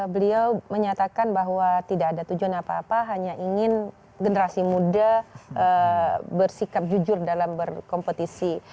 beliau menyatakan bahwa tidak ada tujuan apa apa hanya ingin generasi muda bersikap jujur dalam berkompetisi